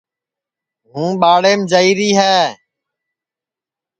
ہوں ٻاڑیم جائیری ہے